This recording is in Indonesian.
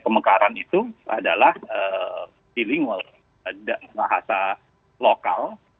pemekaran itu adalah di lingkungan bahasa lokal